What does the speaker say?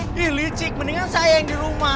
ini licik mendingan saya yang di rumah